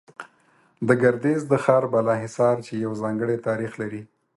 د ګردېز د ښار بالا حصار، چې يو ځانگړى تاريخ لري